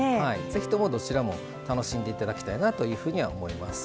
是非ともどちらも楽しんで頂きたいなというふうには思います。